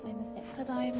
ただいま。